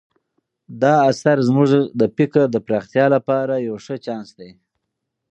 دا اثر زموږ د فکر د پراختیا لپاره یو ښه چانس دی.